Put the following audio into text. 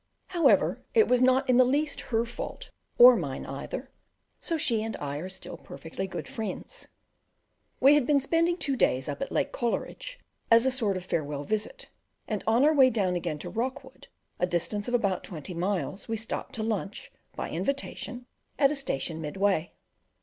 However, it was not in the least her fault, or mine either; so she and I are still perfectly good friends. We had been spending two days up at Lake Coleridge, as a sort of farewell visit, and on our way down again to Rockwood, a distance of about twenty miles, we stopped to lunch, by invitation, at a station midway.